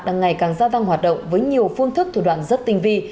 đang ngày càng ra vang hoạt động với nhiều phương thức thủ đoạn rất tinh vi